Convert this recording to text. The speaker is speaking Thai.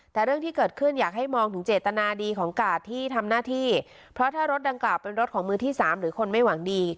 แต่เรื่องที่เกิดขึ้นอยากให้มองถึงเจตนาดีของกาดที่ทำหน้าที่เพราะถ้ารถดังกล่าวเป็นรถของมือที่สามหรือคนไม่หวังดี